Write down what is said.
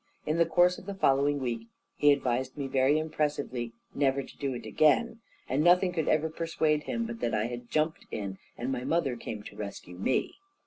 In the course of the following week he advised me very impressively never to do it again; and nothing could ever persuade him but that I jumped in, and my mother came to rescue me.